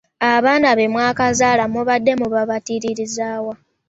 Abaana be mwakazaala mubadde mubabatiriza wa?